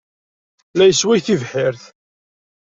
La yessway tibḥirt.